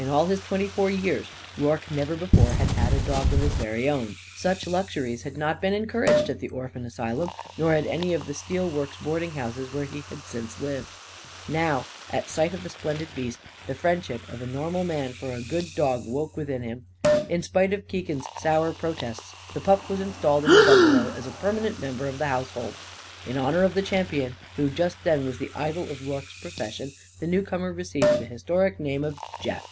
In all his twenty four years Rorke never before had had a dog of his very own. Such luxuries had not been encouraged at the orphan asylum, nor at any of the steel works boarding houses where he had since lived. Now, at sight of the splendid beast, the friendship of a normal man for a good dog woke within him. In spite of Keegan's sour protests, the pup was installed in the bungalow as a permanent member of the household. In honour of the champion who just then was the idol of Rorke's profession, the newcomer received the historic name of "Jeff."